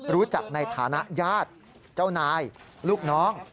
รู้จักในฐานะญาติเจ้านายลูกน้อง